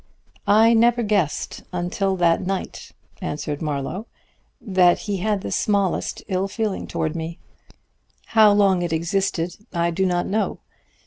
"I never guessed until that night," answered Marlowe, "that he had the smallest ill feeling toward me. How long it had existed I do not know.